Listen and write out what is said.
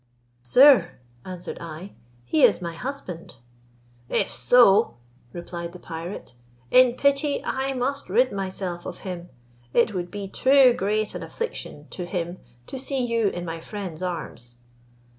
"Sir," answered I, "he is my husband." "If so," replied the pirate, "in pity I must rid myself of him: it would be too great an affliction to him to see you in my friend's arms."